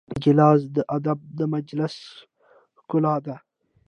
ګیلاس د ادب د مجلس ښکلا ده.